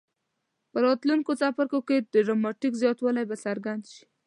په راتلونکو څپرکو کې ډراماټیک زیاتوالی به څرګند شي.